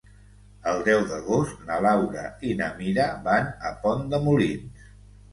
El deu d'agost na Laura i na Mira van a Pont de Molins.